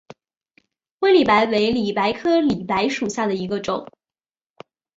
灰里白为里白科里白属下的一个种。